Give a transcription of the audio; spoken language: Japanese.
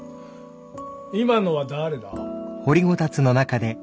今のは誰だ？